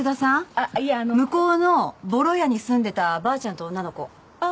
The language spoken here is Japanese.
あっいやあの向こうのボロ家に住んでたばあちゃんと女の子あ